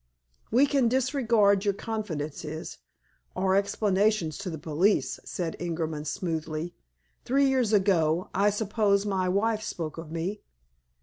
"We can disregard your confidences, or explanations, to the police," said Ingerman smoothly. "Three years ago, I suppose, my wife spoke of me?"